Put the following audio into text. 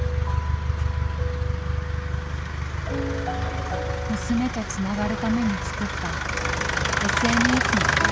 娘とつながるために作ったＳＮＳのアカウント。